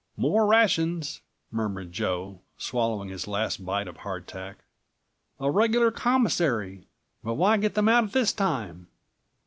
"More rations," murmured Joe, swallowing his last bite of hardtack; "a regular commissary. But why get them out at this time?"